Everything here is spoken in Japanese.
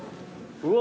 うわ。